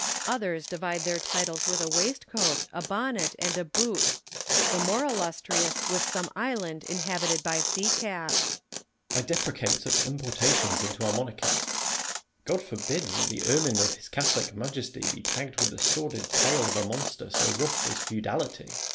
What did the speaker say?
Others divide their titles Avith a waistcoat, a bonnet, and a boot \ the more illustrious with some island inhabited by sea calves. Merino. I deprecate such importations into our mon archy. God forbid that the ermine of His Catholic Majesty be tagged with the sordid tail of a monster so rough as feudality ! Lacy.